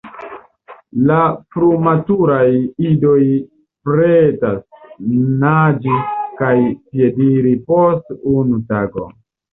La frumaturaj idoj pretas naĝi kaj piediri post unu tago.